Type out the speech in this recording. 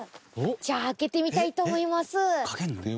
じゃあ開けてみたいと思います。